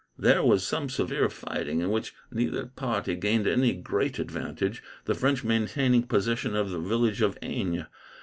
There was some severe fighting, in which neither party gained any great advantage, the French maintaining possession of the village of Eynes.